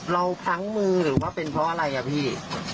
เราพั้งมือหรือเป็นเพราะอะไรล่ะพี่